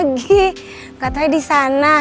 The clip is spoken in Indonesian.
jangan jangan saya gak diterima kerja lah